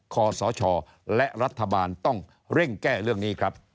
ขอสชและรัฐบาลต้องเร่งแก้เรื่องนี้ครับ